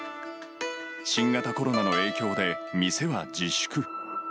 新型コロナの影響で店は自粛。